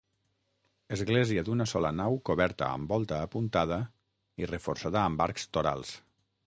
Església d'una sola nau coberta amb volta apuntada i reforçada amb arcs torals.